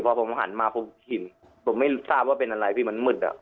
พอผมหันมาผมเห็นผมไม่ทราบว่าเป็นอะไรพี่มันมืดอ่ะ